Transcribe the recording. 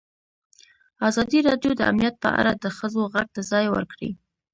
ازادي راډیو د امنیت په اړه د ښځو غږ ته ځای ورکړی.